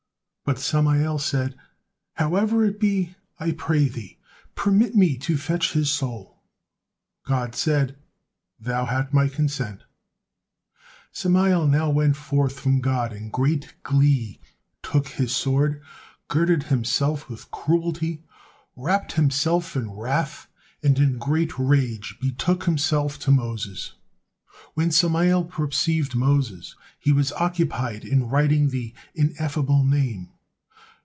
But Samael said, "However it be, I pray Thee, permit me to fetch his soul! " God said, "Thou had My consent." Samael now went forth from God in great glee, took his sword, girded himself with cruelty, wrapped himself in wrath, and in a great rage betook himself to Moses. When Samael perceived Moses, he was occupied in writing the Ineffable Name.